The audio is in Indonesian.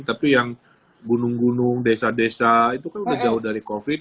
tapi yang gunung gunung desa desa itu kan udah jauh dari covid